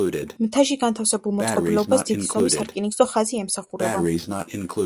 მთაში განთავსებულ მოწყობილობას დიდი ზომის სარკინიგზო ხაზი ემსახურება.